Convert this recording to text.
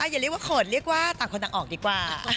อย่าเรียกว่าเขินเรียกว่าต่างคนต่างออกดีกว่า